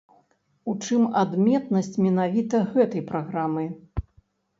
У чым адметнасць менавіта гэтай праграмы?